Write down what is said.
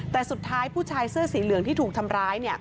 แต่สุดท้ายผู้ชายเสื้อสีเหลืองที่ถูกทำร้าย